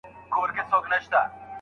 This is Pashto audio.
خلګو د خطر منلو هڅه کوله.